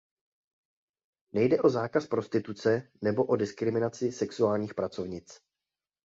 Nejde o zákaz prostituce nebo o diskriminaci sexuálních pracovnic.